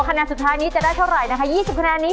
คะแนนสุดท้ายนี้จะได้เท่าไหร่นะคะ๒๐คะแนนนี้